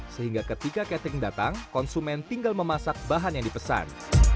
sehingga ketika catering datang konsumen tinggal memasak bahan yang dipesan